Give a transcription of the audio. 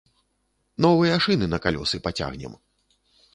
Новыя шыны на калёсы пацягнем!